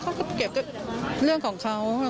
เขาก็เก็บเรื่องของเขา